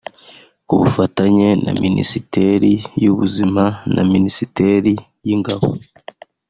ku bufatanye na Minisiteri y’Ubuzima na Minisiteri y’Ingabo